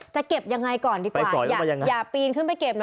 จะเก็บยังไงก่อนดีกว่าอย่าปีนขึ้นไปเก็บนะ